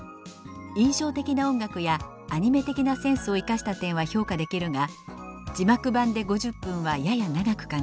「印象的な音楽やアニメ的なセンスを生かした点は評価できるが字幕版で５０分はやや長く感じた。